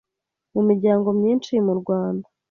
mu miryango myinshi mu Rwanda,